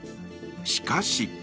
しかし。